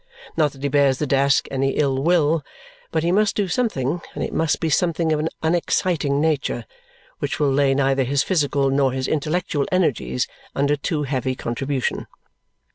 Not that he bears the desk any ill will, but he must do something, and it must be something of an unexciting nature, which will lay neither his physical nor his intellectual energies under too heavy contribution.